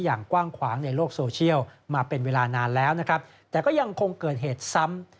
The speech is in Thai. อย่างกว้างขวางในโลกโซเชียลมาเป็นเวลานานแล้วนะครับแต่ก็ยังคงเกิดเหตุซ้ำ